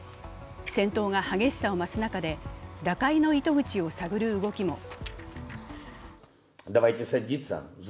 戦闘が激しさを増す中で打開の糸口を探る動きも。